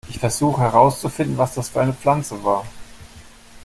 Ich versuche, herauszufinden, was das für eine Pflanze war.